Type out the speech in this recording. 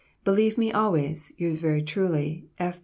"Believe me always, yours very truly, "F.